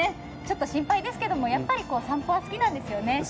ちょっと心配ですけどやっぱり散歩は好きなんですね。